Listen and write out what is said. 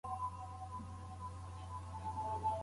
ولي محنتي ځوان د با استعداده کس په پرتله موخي ترلاسه کوي؟